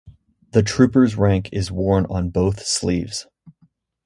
The trooper's rank is worn on both sleeves.